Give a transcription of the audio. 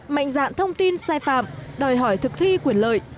mạnh dạn thông tin sai phạm đòi hỏi thực thi quyền lợi